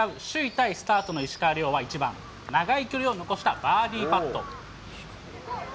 タイスタートの石川遼は１番、長い距離を残したバーディーパット。